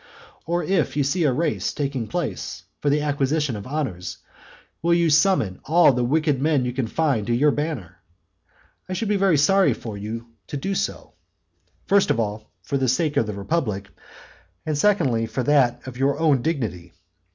Or if you see a race taking place for the acquisition of honours, will you summon all the wicked men you can find to your banner? I should be sorry for you to do so; first of all, for the sake of the republic, and secondly, for that of your own dignity.